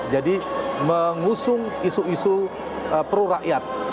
jadi mengusung isu isu prorakyat